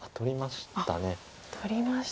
取りました。